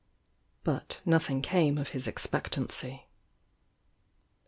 But nothing came of his expectancy.